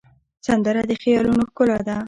سندره د خیالونو ښکلا ده